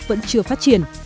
vẫn chưa phát triển